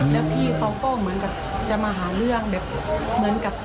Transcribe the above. แล้วพี่เขาก็เหมือนกับจะมาหาเรื่องแบบเหมือนกับ